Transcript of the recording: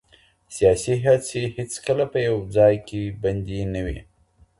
سياسي هڅي هيڅکله په يوه ځای کي بندي نه وې.